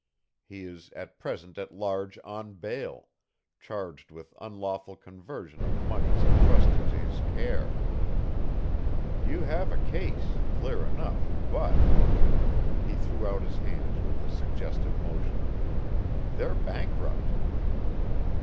He is at present at large on bail, charged with unlawful conversion of moneys entrusted to his care. You have a case, clear enough, but " he threw out his hands with a suggestive motion "they're bankrupt."